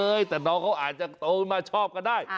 แต่น้องเขาอาจจะโตมาชอบก็ได้